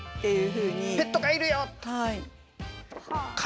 ペットがいるよ。